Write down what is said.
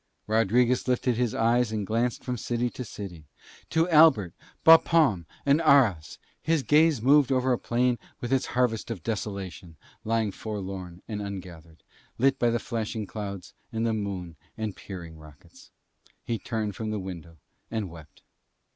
Rodriguez lifted his eyes and glanced from city to city, to Albert, Bapaume, and Arras, his gaze moved over a plain with its harvest of desolation lying forlorn and ungathered, lit by the flashing clouds and the moon and peering rockets. He turned from the window and wept.